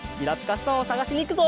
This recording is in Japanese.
ストーンをさがしにいくぞ！